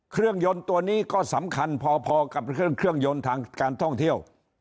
รถยนต์ตัวนี้ก็สำคัญพอกับเครื่องยนต์ทางการท่องเที่ยว